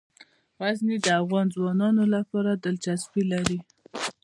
غزني د افغان ځوانانو لپاره دلچسپي لري.